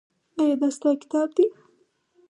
ایا دا ستا کتاب دی؟